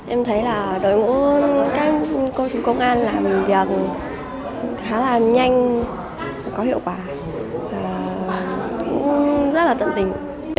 em thấy là đội ngũ các cô trung công an làm việc khá là nhanh có hiệu quả rất là tận tình